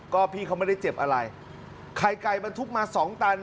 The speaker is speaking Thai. ก็พี่เขาไม่ได้เจ็บอะไรไข่ไก่บรรทุกมาสองตัน